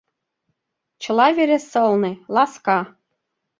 Чыла вере сылне, ласка.